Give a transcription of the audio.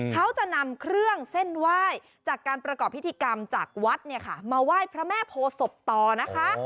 เขาจะนำเครื่องเส้นไหว้จากการประกอบพิธีกรรมจากวัดเนี่ยค่ะมาไหว้พระแม่โพศพต่อนะคะ